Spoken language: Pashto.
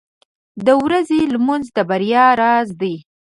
• د ورځې لمونځ د بریا راز دی.